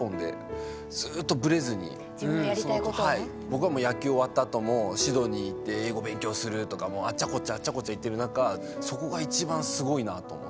僕はもう野球終わったあともシドニー行って英語勉強するとかもあっちゃこっちゃあっちゃこっちゃ行ってる中そこが一番すごいなと思って。